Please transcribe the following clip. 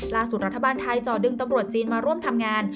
รัฐบาลไทยจ่อดึงตำรวจจีนมาร่วมทำงาน